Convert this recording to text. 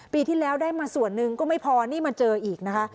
ปีที่แล้วได้มาส่วนหนึ่งก็ไม่พอนี่มาเจออีกนะคะ